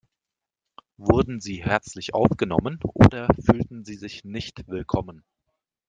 Wurden Sie herzlich aufgenommen oder fühlten Sie sich nicht willkommen?